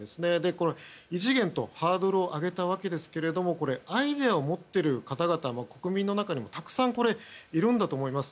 異次元とハードルを上げたのでアイデアを持っている方々は国民の中にたくさんいると思います。